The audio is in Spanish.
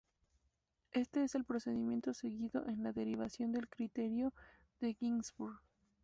Este es el procedimiento seguido en la derivación del criterio de Ginzburg.